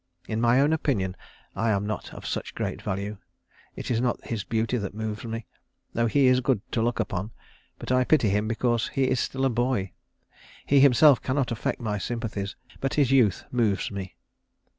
In my own opinion I am not of such great value. It is not his beauty that moves me, though he is good to look upon, but I pity him because he is still a boy. He himself cannot affect my sympathies, but his youth moves me."